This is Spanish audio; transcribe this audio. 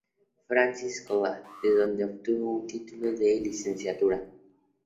Francis College, de donde obtuvo un título de licenciatura.